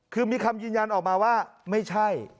คือมีคำยืนยันออกมาว่าไม่ใช่